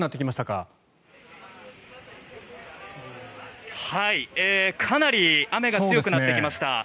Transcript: かなり雨が強くなってきました。